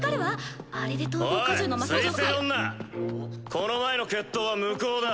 この前の決闘は無効だ。